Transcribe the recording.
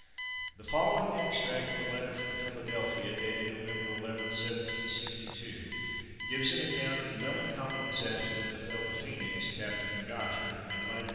The following extract of a letter from Philadelphia, dated November 11th, 1762, gives an account of the melancholy disaster that befel the Phoenix, Capt. M'Gacher, in lat.